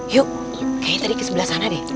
yuk kayaknya tadi ke sebelah sana deh